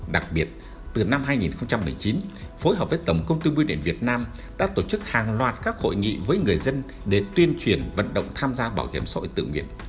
đặc biệt từ năm hai nghìn một mươi chín phối hợp với tổng công ty bưu điện việt nam đã tổ chức hàng loạt các hội nghị với người dân để tuyên truyền vận động tham gia bảo hiểm xã hội tự nguyện